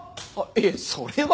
いえそれは。